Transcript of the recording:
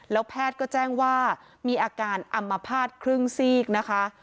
แล้วแพทย์ก็แจ้งว่ามีอาการอำมภาษณ์ครึ่งซีกนะคะ